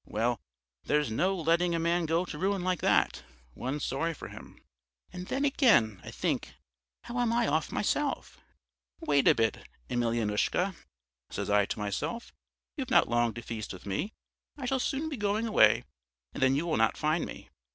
Well, there's no letting a man go to ruin like that.... One's sorry for him. "And then again, I think, how am I off myself? Wait a bit, Emelyanoushka, says I to myself, you've not long to feast with me: I shall soon be going away and then you will not find me.